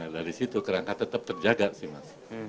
dari situ kerangka tetap terjaga sih mas